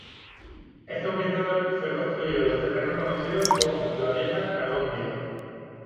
Este hospital fue construido en los terrenos conocidos como la Vieja Alhóndiga.